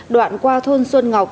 đoạn qua thôn xuân ngọc